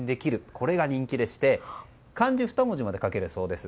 これが人気でして漢字１文字まで書けるそうです。